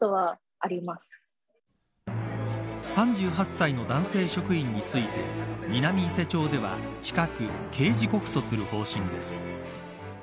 ３８歳の男性職員について南伊勢町では、近く刑事告訴する方針です。